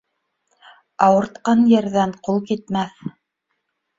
Ауыртҡан ерҙән ҡул китмәҫ